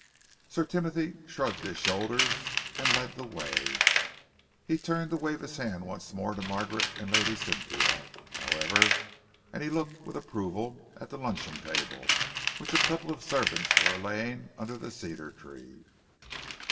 Sir Timothy shrugged his shoulders and led the way. He turned to wave his hand once more to Margaret and Lady Cynthia, however, and he looked with approval at the luncheon table which a couple of servants were laying under the cedar tree.